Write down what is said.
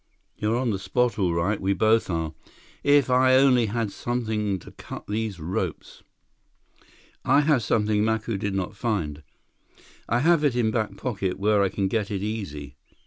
"You're on the spot all right. We both are. If I only had something to cut these ropes!" "I have something Macu did not find. I have it in back pocket where I can get it easy.